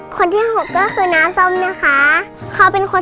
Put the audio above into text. คนที่ห้าก็คือหนูเองค่ะ